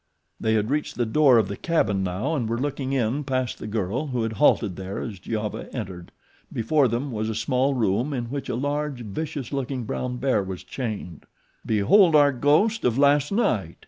They had reached the door of the cabin now and were looking in past the girl who had halted there as Giova entered. Before them was a small room in which a large, vicious looking brown bear was chained. "Behold our ghost of last night!"